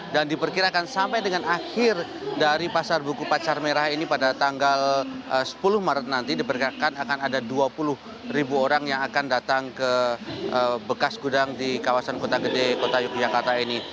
dan diperkirakan sampai dengan akhir dari pasar buku pacar merah ini pada tanggal sepuluh maret nanti diperkirakan akan ada dua puluh orang yang akan datang ke bekas gudang di kawasan kota gede yogyakarta ini